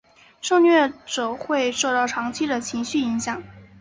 受虐者会受到长期的情绪影响。